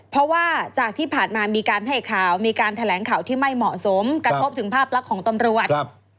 เพราะว่าจากที่ผ่านมามีการให้ข่าวมีการแถลงข่าวที่ไม่เหมาะสมกระทบถึงภาพลักษณ์ของตำรวจ